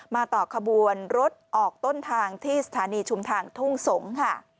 ต่อขบวนรถออกต้นทางที่สถานีชุมทางทุ่งสงศ์ค่ะ